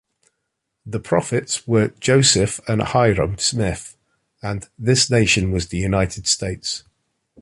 The "prophets" were Joseph and Hyrum Smith, and "this nation" was the United States.